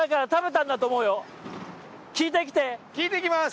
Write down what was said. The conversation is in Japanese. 聞いてきます！